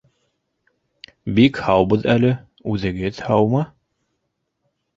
— Бик һаубыҙ әле, үҙегеҙ һаумы?